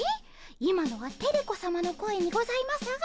今のはテレ子さまの声にございますが。